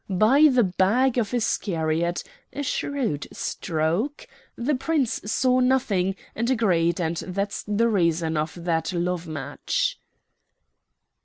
By the bag of Iscariot, a shrewd stroke! The Prince saw nothing, and agreed, and that's the reason of that love match."